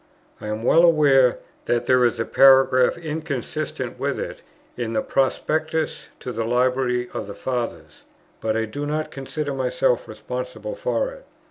I am well aware that there is a paragraph inconsistent with it in the Prospectus to the Library of the Fathers; but I do not consider myself responsible for it.